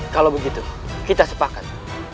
kalau begitu kita sepakat